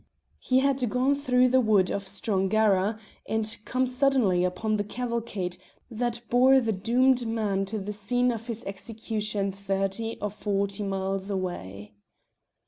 He had gone through the wood of Strongara and come suddenly upon the cavalcade that bore the doomed man to the scene of his execution thirty or forty miles away.